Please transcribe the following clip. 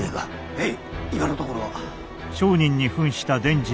へい今のところは。